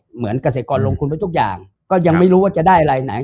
เหมือนเกษตรกรลงทุนไปทุกอย่างก็ยังไม่รู้ว่าจะได้อะไรไหน